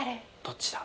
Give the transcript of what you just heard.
どっちだ？